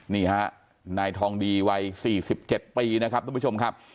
นี่ฮะนายทองดีวัย๔๗ปีนะครับทุกผู้ชมครับ